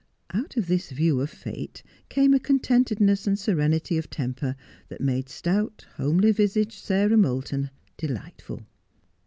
Out of this view of Fate came a contentedness and serenity of temper that made stout, honielv visaged Sarah Moulton delightful.